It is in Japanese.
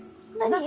何？